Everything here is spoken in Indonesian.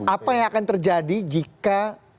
apa yang akan terjadi jika